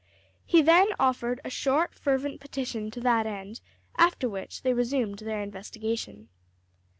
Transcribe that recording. He then offered a short, fervent petition to that end; after which they resumed their investigation.